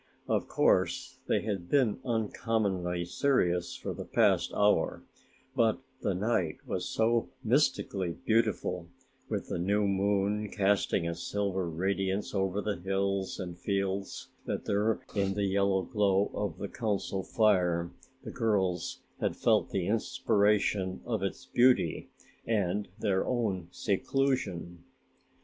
Of course they had been uncommonly serious for the past hour, but the night was so mystically beautiful with the new moon casting a silver radiance over the hills and fields, that there in the yellow glow of the Council Fire the girls had felt the inspiration of its beauty and their own seclusion.